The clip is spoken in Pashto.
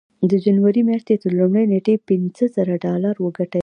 د جنوري مياشتې تر لومړۍ نېټې پينځه زره ډالر وګټئ.